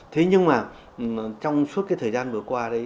thế nhưng mà trong suốt thời gian vừa qua